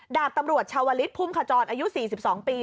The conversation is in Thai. ดาบตำรวจชาวลิศพุ่มขจรอายุ๔๒ปี